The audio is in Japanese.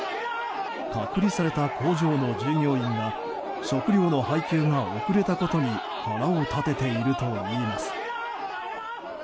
隔離された工場の従業員が食料の配給が遅れたことに腹を立てているといいます。